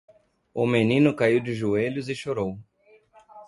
O menino caiu de joelhos e chorou.